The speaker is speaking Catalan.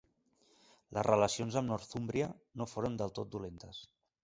Les relacions amb Northúmbria no foren del tot dolentes.